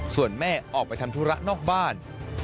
ส่วนแม่ออกไปทำธุระนอกบ้าน